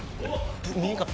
見えんかった。